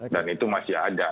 dan itu masih ada